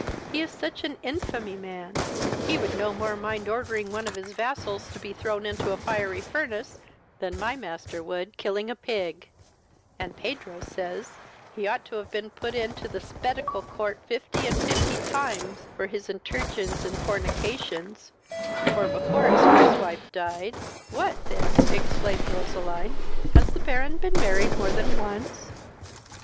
he is such an infamy man, he would no more mind ordering one of his vassals to be thrown into a fiery furnace than my master would killing a pig; and Pedro says, he ought to have been put into the spettacle court fifty and fifty times, for his entregens and fornications; for, before his first wife died " "What then? (exclaimed Roseline,) has the Baron been married more than once?"